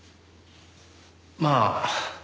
まあ。